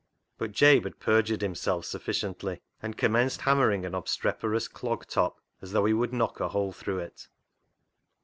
But Jabe had perjured himself sufficiently, and commenced hammering an obstreperous clog top as though he would knock a hole through it.